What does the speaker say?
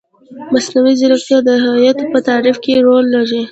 مصنوعي ځیرکتیا د هویت په تعریف کې رول لري.